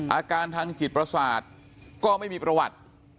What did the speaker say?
อาการทางจิตประสาทก็ไม่มีประวัติ